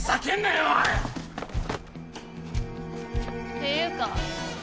っていうか